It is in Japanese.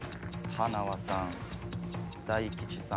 塙さん大吉さん